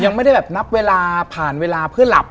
ยังไม่ได้แบบนับเวลาผ่านเวลาเพื่อหลับ